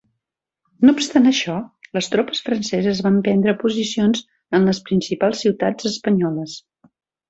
No obstant això, les tropes franceses van prendre posicions en les principals ciutats espanyoles.